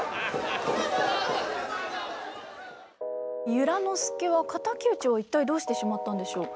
由良之助は敵討は一体どうしてしまったんでしょう？